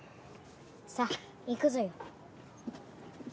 さあ行くぞよ。